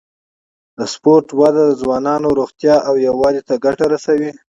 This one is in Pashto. د سپورت وده د ځوانانو روغتیا او یووالي ته ګټه رسوي.